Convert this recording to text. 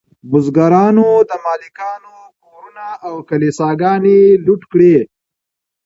بزګرانو د مالکانو کورونه او کلیساګانې لوټ کړې.